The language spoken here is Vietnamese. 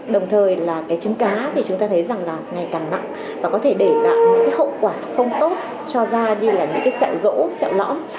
đồng thời là cái chứng cá thì chúng ta thấy rằng là ngày càng nặng và có thể để lại những hậu quả không tốt cho da như là những cái sẹo rỗ sẹo lõm